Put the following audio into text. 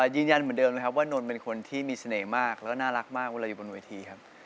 ยืนยันเหมือนเดิมนะครับว่านนท์เป็นคนที่มีเสน่ห์มากแล้วก็น่ารักมากเวลาอยู่บนเวทีครับ